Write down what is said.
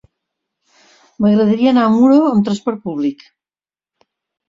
M'agradaria anar a Muro amb transport públic.